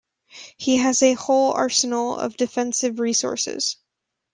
He has a whole arsenal of defensive resources.